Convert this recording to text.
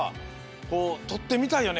こうとってみたいよね